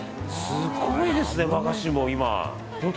すごいですね、和菓子も今。